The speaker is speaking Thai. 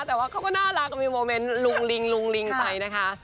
แต่ว่าเขาก็น่ารักกับมีโมเมนต์ลุงลิงลุงลิงไปนะคะ